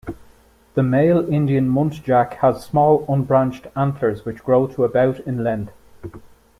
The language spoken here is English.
The male Indian muntjac has small, unbranched antlers which grow to about in length.